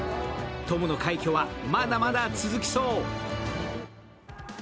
トムの快挙はまだまだ続きそう。